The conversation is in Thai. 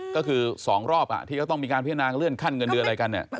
ก็คือ๒รอบที่เขาต้องมีการพิจารณาเลื่อนขั้นเงินเดือนอะไรกันเนี่ย